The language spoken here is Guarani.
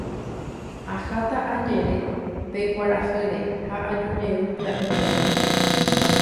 Aháta ajere pe kuarahýre ha ajujey pya'e porã.